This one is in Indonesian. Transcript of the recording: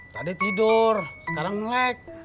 tadi tidur sekarang ngelag